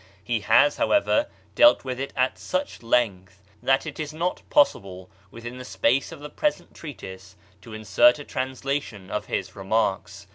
He has, however, dealt with it at such length that it is not possible, within the space of the present treatise, to insert a translation of his remarks.